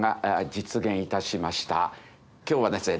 今日はですね